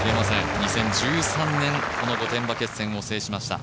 ２０１３年この御殿場決戦を制しました。